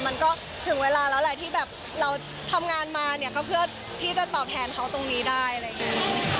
มันก็ถึงเวลาแล้วแหละที่แบบเราทำงานมาเนี่ยก็เพื่อที่จะตอบแทนเขาตรงนี้ได้อะไรอย่างนี้